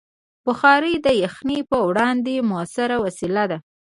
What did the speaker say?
بخاري د یخنۍ پر وړاندې مؤثره وسیله ده.